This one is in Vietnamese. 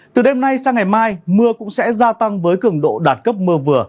từ đêm nay sang ngày mai mưa cũng sẽ gia tăng với cường độ đạt cấp mưa vừa